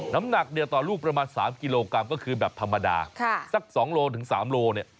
น้ำหนักเนี่ยต่อลูกประมาณสามกิโลกรัมก็คือแบบธรรมดาค่ะสักสองโลถึงสามโลเนี่ยอ๋อ